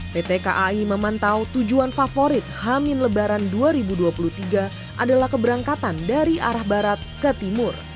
pt kai memantau tujuan favorit hamin lebaran dua ribu dua puluh tiga adalah keberangkatan dari arah barat ke timur